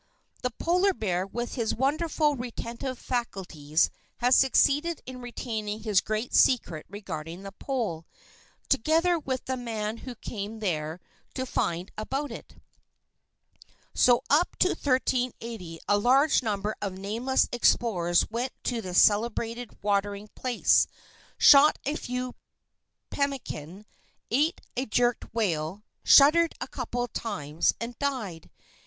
The polar bear, with his wonderful retentive faculties, has succeeded in retaining his great secret regarding the pole, together with the man who came out there to find out about it. So up to 1380 a large number of nameless explorers went to this celebrated watering place, shot a few pemmican, ate a jerked whale, shuddered a couple of times, and died.